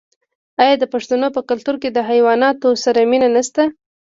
آیا د پښتنو په کلتور کې د حیواناتو سره مینه نشته؟